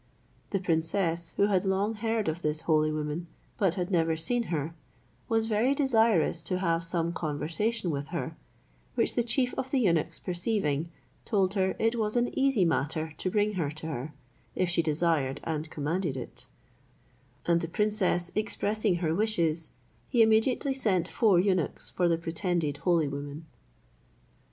The princess, who had long heard of this holy woman, but had never seen her, was very desirous to have some conversation with her, which the chief of the eunuchs perceiving, told her it was an easy matter to bring her to her, if she desired and commanded it; and the princess expressing her wishes, he immediately sent four eunuchs for the pretended holy woman.